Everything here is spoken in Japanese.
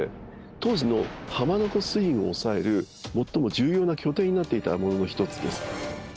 当時の浜名湖水運を押さえる最も重要な拠点になっていたものの一つです。